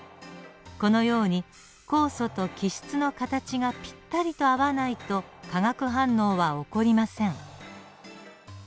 このように酵素と基質の形がぴったりと合わないと化学反応は起こりません。